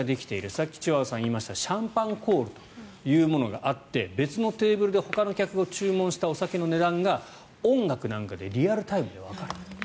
さっきチワワさんが言いましたシャンパンコールというものがあって別のテーブルでほかの客が注文したお酒の値段が音楽なんかでリアルタイムでわかる。